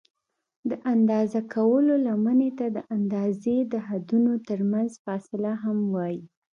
د اندازه کولو لمنې ته د اندازې د حدونو ترمنځ فاصله هم وایي.